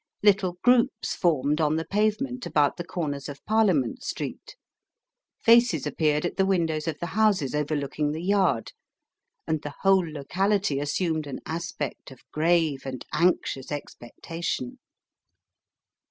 Little groups formed on the pavement about the corners of Parliament Street. Faces appeared at the windows of the houses overlooking the Yard, and the whole locality assumed an aspect of grave and anxious expectation.